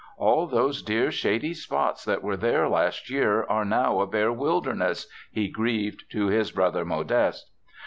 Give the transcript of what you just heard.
"All those dear shady spots that were there last year are now a bare wilderness," he grieved to his brother Modeste.